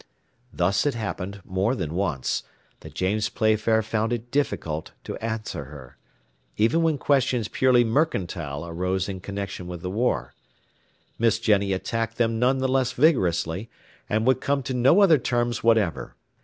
Thus it happened, more than once, that James Playfair found it difficult to answer her, even when questions purely mercantile arose in connection with the war: Miss Jenny attacked them none the less vigorously, and would come to no other terms whatever.